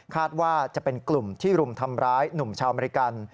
ว่าจะเป็นกลุ่มที่รุมทำร้ายหนุ่มชาวอเมริกัน